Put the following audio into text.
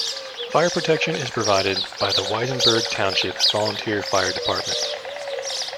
Fire protection is provided by the Weisenberg Township Volunteer Fire Department.